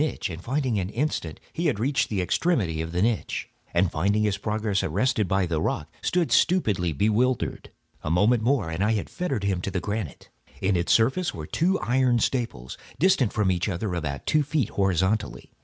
In an instant he had reached the extremity of the niche, and finding his progress arrested by the rock, stood stupidly bewildered. A moment more and I had fettered him to the granite. In its surface were two iron staples, distant from each other about two feet, horizontally.